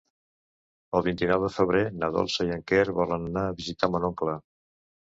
El vint-i-nou de febrer na Dolça i en Quer volen anar a visitar mon oncle.